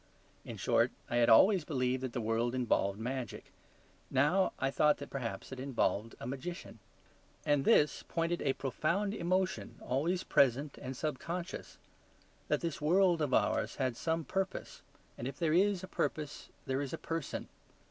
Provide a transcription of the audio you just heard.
In short, I had always believed that the world involved magic: now I thought that perhaps it involved a magician. And this pointed a profound emotion always present and sub conscious; that this world of ours has some purpose; and if there is a purpose, there is a person.